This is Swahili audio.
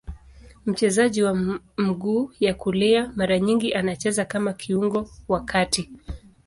Mchezaji wa mguu ya kulia, mara nyingi anacheza kama kiungo wa kati.